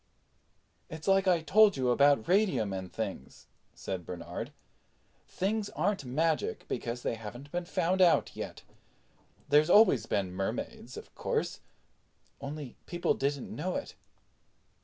"It's like I told you about radium and things," said Bernard. "Things aren't magic because they haven't been found out yet. There's always been Mermaids, of course, only people didn't know it."